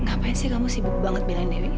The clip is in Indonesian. ngapain sih kamu sibuk banget belain dewi